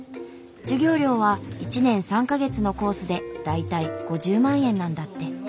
授業料は１年３か月のコースで大体５０万円なんだって。